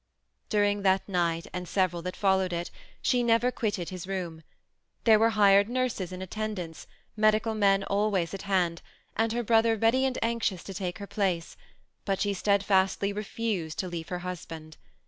During that night, and several that followed it, she never quitted his room : there were hired nurses in at tendance, medical men always at hand, and her brother THE SEMI ATTACHED COUPLE. 313 ready and anxious to take her place, but she steadfastly refused to leave her husband.